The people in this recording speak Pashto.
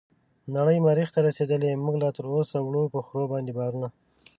نړۍ مريح ته رسيدلې موږ لا تراوسه وړو په خرو باندې بارونه